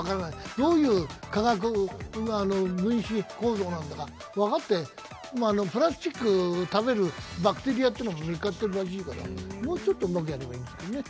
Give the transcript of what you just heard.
どういう科学分子構造なのか分かって、プラスチック食べるバクテリアというのも見つかってるらしいからもうちょっとうまくやればいいんですけどね。